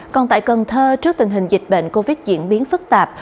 còn tại cần thơ trước tình hình dịch bệnh covid diễn biến phức tạp